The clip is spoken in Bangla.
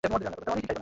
কেউ আমাদের দেখেছে।